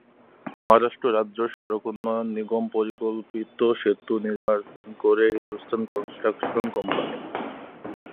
মহারাষ্ট্র রাজ্য সড়ক উন্নয়ন নিগম পরিকল্পিত সেতুটি নির্মাণ করে হিন্দুস্তান কনস্ট্রাকশন কোম্পানি।